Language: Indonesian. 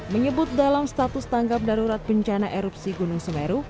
menyebut dalam status tanggap darurat bencana erupsi gunung semeru